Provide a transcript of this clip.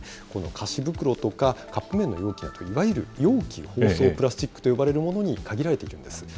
この菓子袋とかカップ麺の容器など、容器包装プラスチックと呼ばれるものに限られているんです。